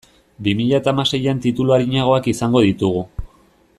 Bi mila eta hamaseian titulu arinagoak izango ditugu.